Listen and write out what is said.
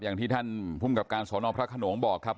อย่างที่ท่านภูมิกับการสอนอพระขนงบอกครับ